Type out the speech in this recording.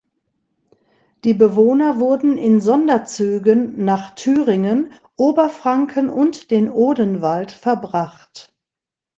Die Bewohner wurden in Sonderzügen nach Thüringen, Oberfranken und den Odenwald verbracht.